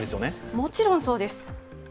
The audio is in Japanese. もちろんそうです。